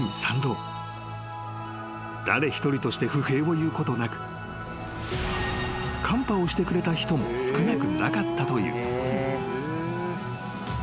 ［誰一人として不平を言うことなくカンパをしてくれた人も少なくなかったという］